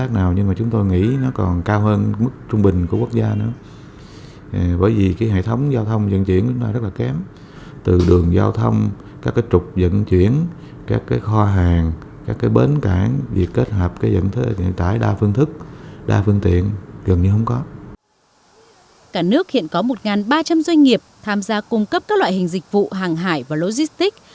cả nước hiện có một ba trăm linh doanh nghiệp tham gia cung cấp các loại hình dịch vụ hàng hải và logistics